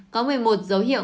có một mươi một dấu hiệu